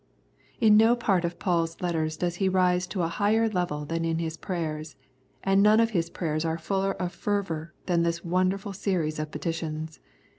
In no part of PauFs letters does he rise to a higher level than in his prayers, and none of his prayers are fuller of fervour than this wonderful series of petitions.